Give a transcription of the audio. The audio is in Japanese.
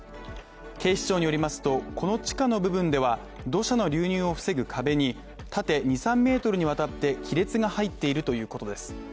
警視庁によりますと、この地下の部分では、土砂の流入を防ぐ壁に縦２３ｍにわたって亀裂が入っているということです。